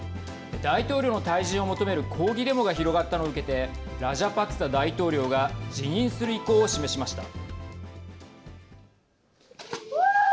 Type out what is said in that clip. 大統領の退陣を求める抗議デモが広がったのを受けてラジャパクサ大統領が辞任する意向を示しました。